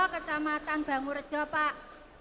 ke kecamatan bangurjo pak